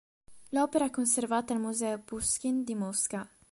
L'opera è conservata al Museo Puškin di Mosca.